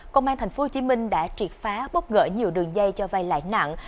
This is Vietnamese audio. công an thành phố hồ chí minh đã triệt phá bốc gỡ nhiều đường dây cho vay lại nặng